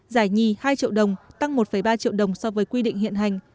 giải nhì hai triệu đồng tăng một ba triệu đồng so với quy định hiện hành